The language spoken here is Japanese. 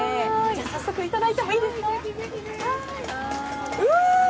早速、いただいてもいいですか？